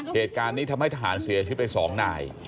เหตุการณ์นี้ทำให้ทหารเสียชีวิตไป๒นาย